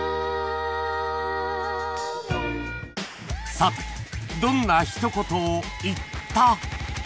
さてどんなひと言を言った？